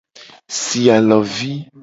Si alovi.